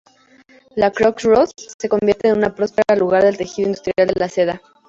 La Croix-Rousse se convierte en un próspera lugar del tejido industrial de la seda.